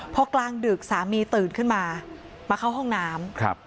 พอกลางดึกสามีตื่นขึ้นมามาเข้าห้องน้ำ